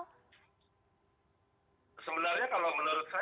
sebenarnya kalau menurut saya nggak jelas